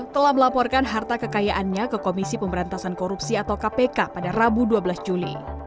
telah melaporkan harta kekayaannya ke komisi pemberantasan korupsi atau kpk pada rabu dua belas juli